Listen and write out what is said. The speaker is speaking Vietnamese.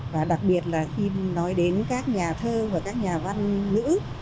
và đặc biệt là khi nói đến các nhà thơ và các nhà văn ngữ